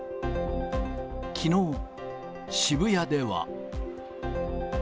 きのう、渋谷では。